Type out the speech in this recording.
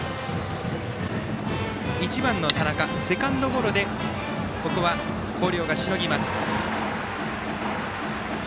１番の田中、セカンドゴロでここは広陵がしのぎます。